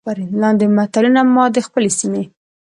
لاندې متلونه ما د خپلې سيمې